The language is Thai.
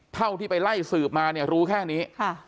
เท่าที่ไปไล่สืบมาเนี่ยรู้แค่นี้